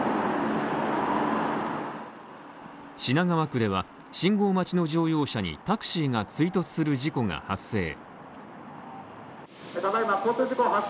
品川区では、信号待ちの乗用車にタクシーが追突する事故が発生。